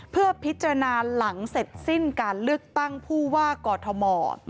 เพื่อพิจารณาหลังเสร็จสิ้นการเลือกตั้งผู้ว่ากอทม